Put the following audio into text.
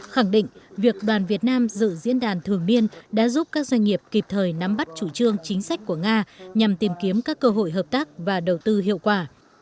khẳng định việc đoàn việt nam dự diễn đàn thường biên đã giúp các doanh nghiệp kịp thời nắm bắt chủ trương chính sách của nga nhằm tìm kiếm các cơ hội hợp tác và đầu tư hiệu quả